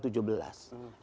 yang belum berakhir